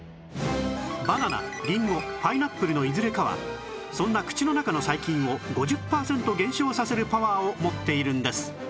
バナナりんごパイナップルのいずれかはそんな口の中の細菌を５０パーセント減少させるパワーを持っているんです